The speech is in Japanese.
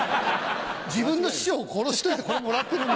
自分の師匠を殺しといてこれもらってるんで。